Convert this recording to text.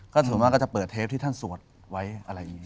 ส่วนมากก็จะเปิดเทปที่ท่านสวดไว้อะไรอย่างนี้